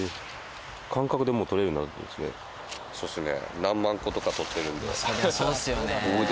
そうですね。